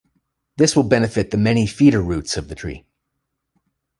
This will benefit the many feeder roots of the tree.